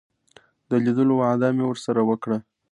د لیدلو وعده مې ورسره وکړه.